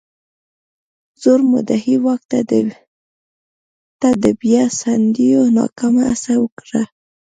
زوړ مدعي واک ته د بیا ستنېدو ناکامه هڅه وکړه.